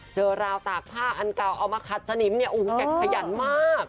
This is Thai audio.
เจอราวตากผ้าอันเก่าเอามาคัดสนิมเนี่ยอู๋แกะพยันมาก